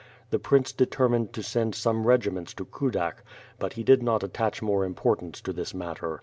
The prince determined to send some regiments to Kudak, but he did not attach much importance to this matter.